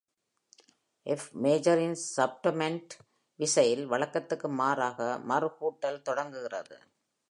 F மேஜரின் subdominant விசையில் வழக்கத்திற்கு மாறாக, மறுகூட்டல் தொடங்குகிறது.